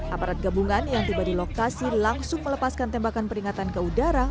aparat gabungan yang tiba di lokasi langsung melepaskan tembakan peringatan ke udara